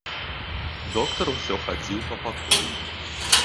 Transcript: Доктар усё хадзіў па пакоі.